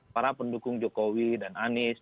para pendukung jokowi dan anies